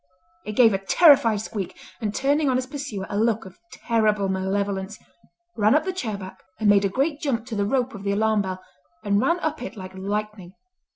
It gave a terrified squeak, and turning on his pursuer a look of terrible malevolence, ran up the chair back and made a great jump to the rope of the alarm bell and ran up it like lightning.